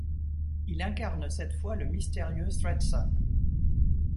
Il incarne cette fois le mystérieux Thredson.